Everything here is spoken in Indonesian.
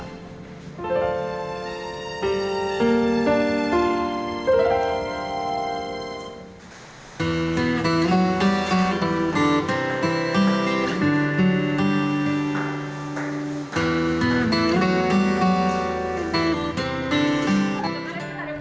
penjahatnya adalah meratu dan aranguthi